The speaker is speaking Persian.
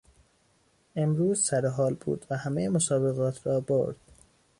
امروز سرحال بود و همهی مسابقات را برد.